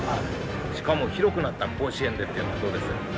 しかも広くなった甲子園でっていうのはどうですか？